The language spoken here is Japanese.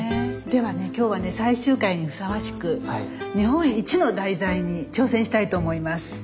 ではね今日はね最終回にふさわしく日本一の題材に挑戦したいと思います！